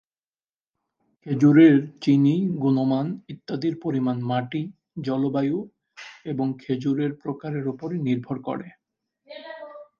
খেজুরের চিনি, গুণমান ইত্যাদির পরিমাণ মাটি, জলবায়ু এবং খেজুরের প্রকারের উপর নির্ভর করে।